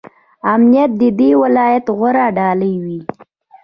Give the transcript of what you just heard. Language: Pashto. امنیت د دې ولایت غوره ډالۍ وي.